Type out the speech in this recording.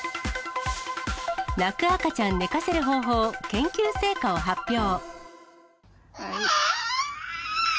泣く赤ちゃん寝かせる方法、研究成果を発表。